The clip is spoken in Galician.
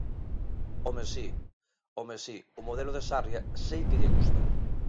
¡Home, si, home, si, o modelo de Sarria sei que lle gusta!